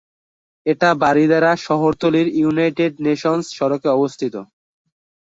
এটা বারিধারা শহরতলীর United Nations সড়কে অবস্থিত।